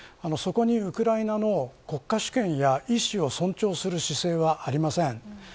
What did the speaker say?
そこに、ウクライナの国家主権や意思を尊重する姿勢はありません。